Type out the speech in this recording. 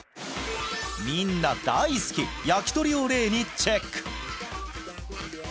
みんな大好き焼き鳥を例にチェック！